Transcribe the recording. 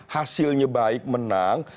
hasilnya baik menang